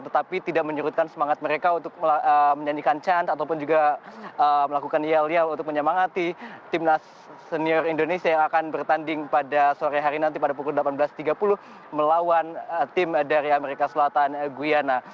tetapi tidak menurutkan semangat mereka untuk menyanyikan chan ataupun juga melakukan yel yel untuk menyemangati timnas senior indonesia yang akan bertanding pada sore hari nanti pada pukul delapan belas tiga puluh melawan tim dari amerika selatan guyana